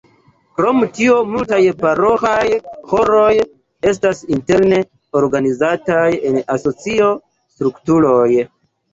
Krom tio multaj paroĥaj ĥoroj estas interne organizitaj en asociaj strukturoj.